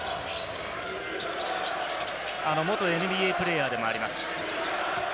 元ＮＢＡプレーヤーでもあります。